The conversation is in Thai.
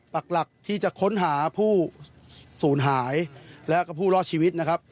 ปากหลักที่จะค้นหาผู้สูญหายแล้วก็ผู้รอดชีวิตนะครับ